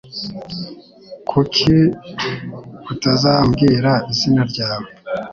Kuki utazambwira izina ryawe